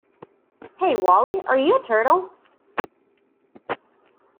Hey, Wally, are you a turtle?